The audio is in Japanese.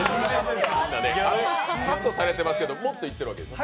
カットされていますけどもっと言ってるわけでしょ。